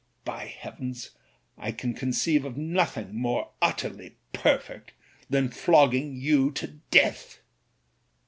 By heavens! I can conceive of nothing more utterly per fect than flogging you to death."